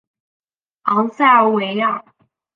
昂塞尔维尔。